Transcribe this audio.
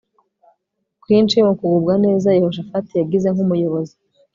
Ukwinshi mu kugubwa neza Yehoshafati yagize nkumuyobozi